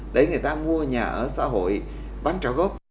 để người ta mua nhà ở xã hội bán trả góp